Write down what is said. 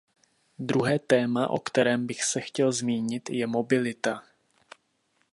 Druhé téma, o kterém bych se chtěl zmínit, je mobilita.